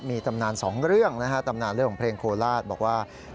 มีตำนานสองเรื่องนะฮะตำนานเรื่องของเพลงโคราชบอกว่า